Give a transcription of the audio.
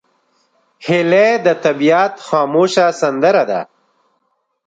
هیلۍ د طبیعت خاموشه سندره ده